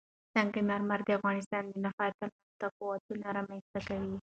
سنگ مرمر د افغانستان د ناحیو ترمنځ تفاوتونه رامنځ ته کوي.